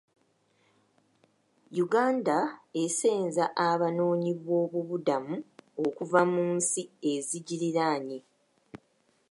Uganda esenza abanoonyiboobubudamu okuva mu nsi ezigiriraanye.